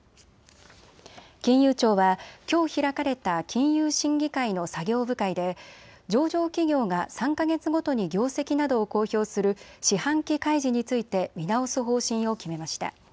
金融庁はきょう開かれた金融審議会の作業部会で上場企業が３か月ごとに業績などを公表する四半期開示について見直す方針を決めました。